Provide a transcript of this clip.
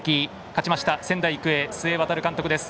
勝ちました仙台育英須江航監督です。